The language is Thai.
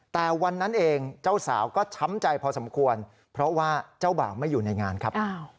แต่วันนั้นเองเจ้าสาวก็ช้ำใจพอสมควรเพราะว่าเจ้าบ่าวไม่อยู่ในงานครับ